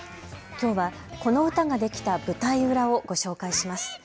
きょうはこの歌ができた舞台裏をご紹介します。